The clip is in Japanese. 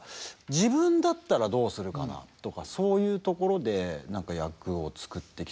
自分だったらどうするかなとかそういうところで何か役を作ってきた感じがするので。